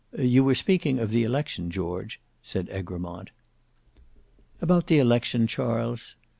"You were speaking of the election, George," said Egremont. "About the election, Charles.